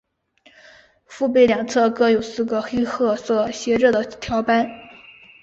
腹背两侧各有四个黑褐色斜着的条斑。